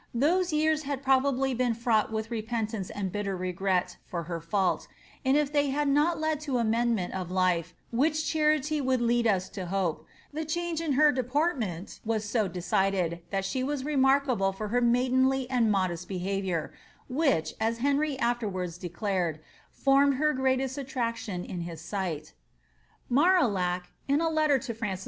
Those years had probably been fraught with repentance and bitter regret for her fault ; and if they had not led to amendment of life, which charity would lead us to hope, the change in her deportment was so decided, that she was remarkable for her maidenly and modest behaviour, which, as Henry afterwards declared, formed her greatest attraction in his sight Harillac, in a letter to Francis I.